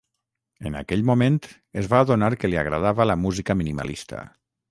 En aquell moment es va adonar que li agradava la música minimalista.